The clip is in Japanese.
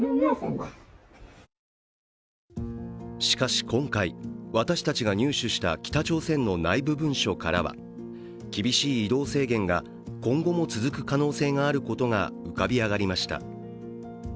しかし今回、私たちが入手した北朝鮮の内部文書からは厳しい移動制限が今後も続く可能性があることが浮かび上がりました。